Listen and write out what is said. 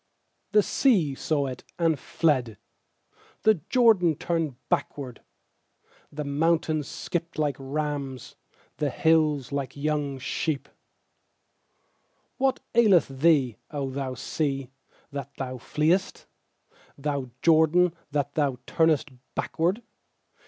3The sea saw it, and fled; The Jordan turned backward. 4The mountains skipped like rams, The hills like young sheep* 8What aileth thee, 0 thou sea, that thou fleest? Thou Jordan, that thou turnest backward?